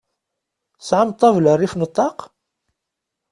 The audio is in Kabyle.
Tesɛam ṭabla rrif n ṭaq?